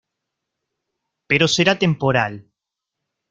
Pero será temporal.